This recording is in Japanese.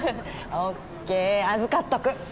ＯＫ預かっとく。